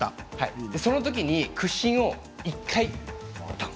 そのときに屈伸を１回。